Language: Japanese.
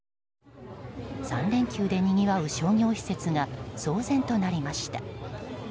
３連休でにぎわう商業施設が騒然となりました。